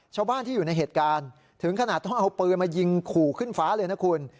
ชาวบ้านที่อยู่ในเหตุการณ์ถึงขนาดต้องเอาปืนมายิงขู่ขึ้นฟ้าเลยนะคุณ